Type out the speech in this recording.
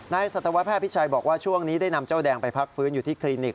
สัตวแพทย์พิชัยบอกว่าช่วงนี้ได้นำเจ้าแดงไปพักฟื้นอยู่ที่คลินิก